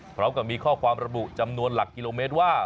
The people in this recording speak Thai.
พร้อมกับมีข้อความระบุจำนวนหลักกิโลเมตรว่า